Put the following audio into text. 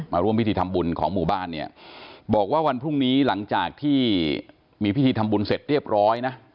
ร่วมพิธีทำบุญของหมู่บ้านเนี่ยบอกว่าวันพรุ่งนี้หลังจากที่มีพิธีทำบุญเสร็จเรียบร้อยนะ